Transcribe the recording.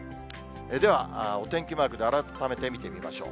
ではお天気マークで改めて見てみましょう。